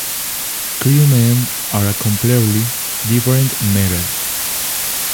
Crewmen are a completely different matter.